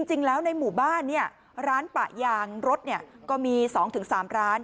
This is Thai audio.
จริงแล้วในหมู่บ้านร้านปะยางรถก็มี๒๓ร้าน